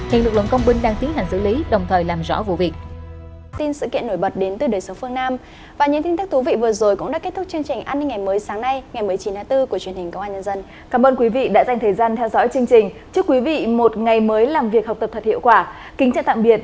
hiện lực lượng công binh đang tiến hành xử lý đồng thời làm rõ vụ việc